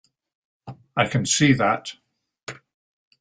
I can see that.